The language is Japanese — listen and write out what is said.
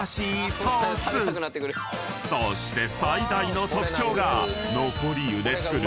［そして最大の特徴が］